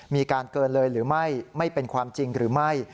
มีการเกินเลยหรือไม่ไม่เป็นความจริงหรือไม่